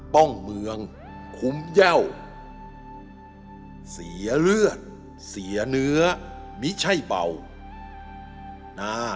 ผมมั่นใจฮะคุณไม่ใช่พ่อกาย